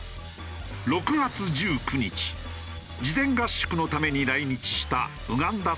６月１９日事前合宿のために来日したウガンダ選手団。